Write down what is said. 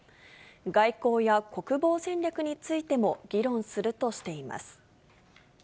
外交や国防戦略についても議論するとしています。